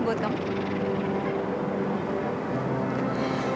ini buat kamu